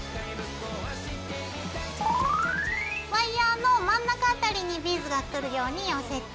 ワイヤーの真ん中辺りにビーズがくるように寄せて。